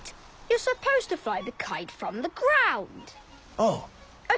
ああ。